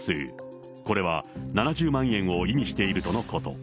これは７０万円を意味しているとのこと。